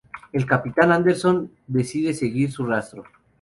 El capitán Andersen decide seguir su rastro.